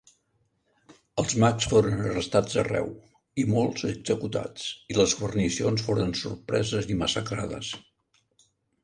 Els mags foren arrestats arreu, i molts executats, i les guarnicions foren sorpreses i massacrades.